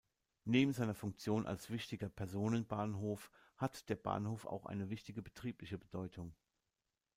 Neben seiner Funktion als wichtiger Personenbahnhof hat der Bahnhof auch eine wichtige betriebliche Bedeutung.